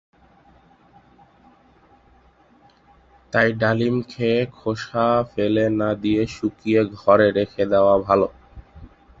তাই ডালিম খেয়ে খোসা ফেলে না দিয়ে শুকিয়ে ঘরে রেখে দেয়া ভালো।